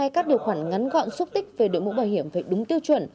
các điều khoản ngắn gọn xúc tích về đội mũ bảo hiểm phải đúng tiêu chuẩn